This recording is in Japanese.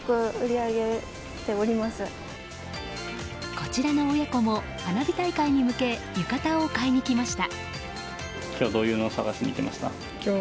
こちらの親子も花火大会に向け浴衣を買いに来ました。